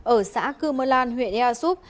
ở xã cư mơ lan huyện ea súp